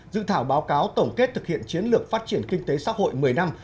dự thảo báo cáo tổng kết thực hiện chiến lược phát triển kinh tế xã hội một mươi năm